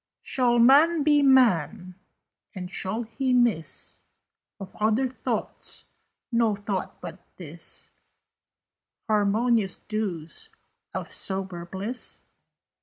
"Shall Man be Man? And shall he miss Of other thoughts no thought but this, Harmonious dews of sober bliss?